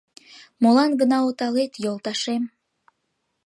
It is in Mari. Молан гына оталет йолташем?